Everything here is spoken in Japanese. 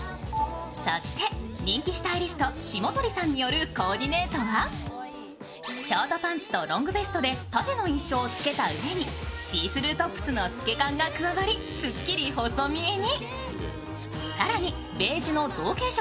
そして人気スタイリスト・霜鳥さんによるコーディネートはショートパンツとロングベストで縦の印象をつけたうえに、シースルートップスの透け感が加わりすっきり細見えに。